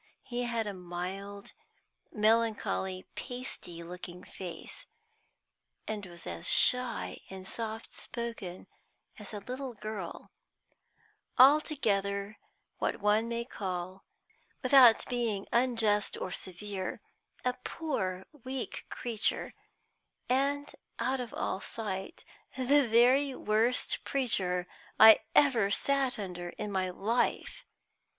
He had a mild, melancholy, pasty looking face, and was as shy and soft spoken as a little girl altogether, what one may call, without being unjust or severe, a poor, weak creature, and, out of all sight, the very worst preacher I ever sat under in my life.